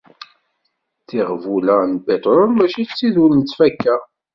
Tiɣbula n lpiṭrul mačči d tid ur nettfakka.